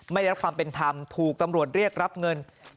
ไม่ได้รับความเป็นธรรมถูกตำรวจเรียกรับเงิน